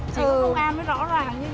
chỉ có công an mới rõ ràng như vậy